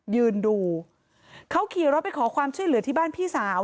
ยืนดูเขาขี่รถไปขอความช่วยเหลือที่บ้านพี่สาว